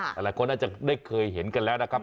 หลายคนน่าจะได้เคยเห็นกันแล้วนะครับ